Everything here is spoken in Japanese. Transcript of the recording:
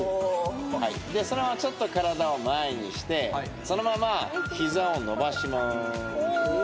そのままちょっと体を前にしてそのまま膝を伸ばします。